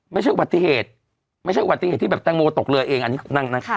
ไม่ใช่อุบัติเหตุไม่ใช่อุบัติเหตุที่แบบแตงโมตกเรือเองอันนี้